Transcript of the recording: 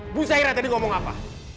ibu saira tadi ngomong apa